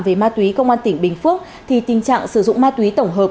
về ma túy công an tỉnh bình phước thì tình trạng sử dụng ma túy tổng hợp